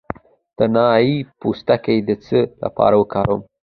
د انار پوستکی د څه لپاره وکاروم؟